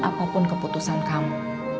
apapun keputusan kamu